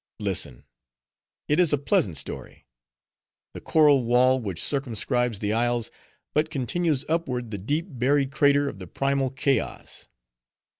Listen: it is a pleasant story. The coral wall which circumscribes the isles but continues upward the deep buried crater of the primal chaos.